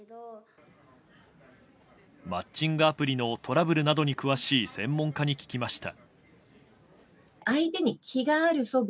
マッチングアプリのトラブルなどに詳しい専門家に聞きました。